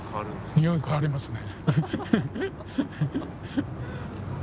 匂い変わりますね。